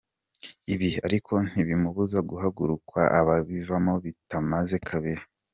Ibi ariko ntibimubuza guhararukwa akabivamo bitamaze kabiri.